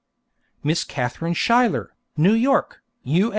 Miss Katharine Schuyler, New York, U.